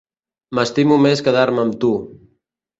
M'estimo més quedar-me amb tu.